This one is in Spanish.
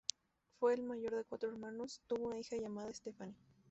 Fue el mayor de cuatro hermanos, tuvo una hija llamada Stephanie.